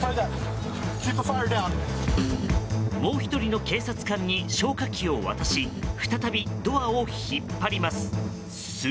もう１人の警察官に消火器を渡し再びドアを引っ張ります。